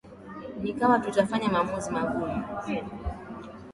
na ikiwa tutafanya maamuzi magumu